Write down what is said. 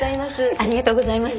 ありがとうございます。